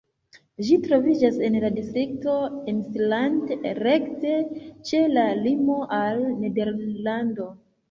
Ĝi troviĝas en la distrikto Emsland, rekte ĉe la limo al Nederlando.